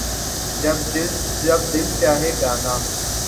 جب دل چاھے گانا